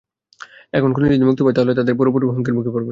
এখন খুনি যদি মুক্তি পায়, তাহলে তাঁদের পুরো পরিবারই হুমকির মুখে পড়বে।